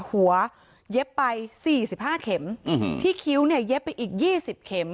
หัวเย็บไปสี่สิบห้าเข็มอืมที่คิ้วเนี้ยเย็บไปอีกยี่สิบเข็ม